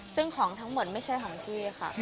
ซึ่งของทั้งหมดไม่ใช่ของกี้ค่ะ